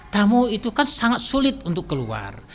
tamu itu kan sangat sulit untuk keluar